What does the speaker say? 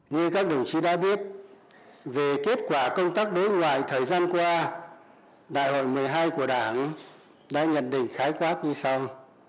như các đồng chí đã biết về kết quả công tác đối ngoại thời gian qua đại hội một mươi hai của đảng đã nhận định khái quát như sau